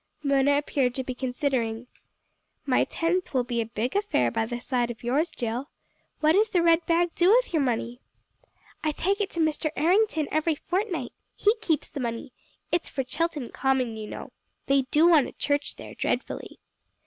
Mona appeared to be considering. "My tenth will be a big affair by the side of yours, Jill. What does the red bag do with your money?" "I take it to Mr. Errington every fortnight. He keeps the money. It's for Chilton Common, you know. They do want a church there dreadfully."